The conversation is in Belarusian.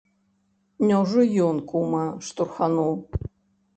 Няўжо ён кума штурхануў?